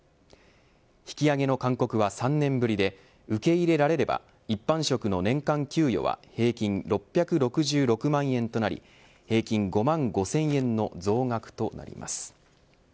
引き上げの勧告は３年ぶりで受け入れられれば一般職の年間給与は平均６６６万円となり平均５万５０００円の増額となります。